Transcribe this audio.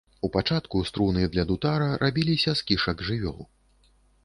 У пачатку струны для дутара рабіліся з кішак жывёл.